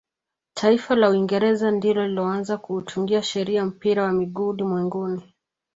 taifa la uingereza ndilo lililoanza kuutungia sheria mpira wa miguu ulimwenguni